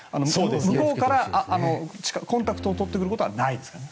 向こうからコンタクトを取ってくることはないからね。